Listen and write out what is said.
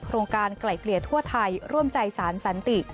โรงการไกล่เกลี่ยทั่วไทยร่วมใจสารสันติ